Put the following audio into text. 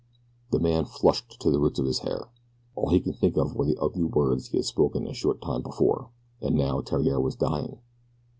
The man flushed to the roots of his hair. All that he could think of were the ugly words he had spoken a short time before and now Theriere was dying!